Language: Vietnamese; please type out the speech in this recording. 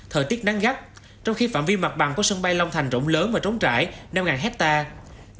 thời tiết nắng gắt trong khi phạm vi mặt bằng của sân bay long thành rộng lớn và trống trải năm hectare